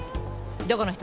どこの人？